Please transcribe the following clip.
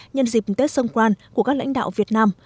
nhân dịp tết sông quan của các lãnh đạo việt nam